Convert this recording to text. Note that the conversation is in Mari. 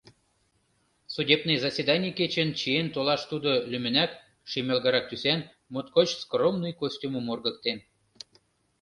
Судебный заседаний кечын чиен толаш тудо лӱмынак шемалгырак тӱсан, моткоч скромный костюмым ургыктен.